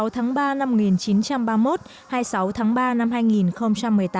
hai mươi tháng ba năm một nghìn chín trăm ba mươi một hai mươi sáu tháng ba năm hai nghìn một mươi tám